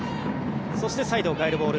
そしてサイドを変えるボール。